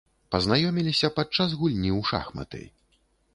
Пазнаёміліся падчас гульні ў шахматы.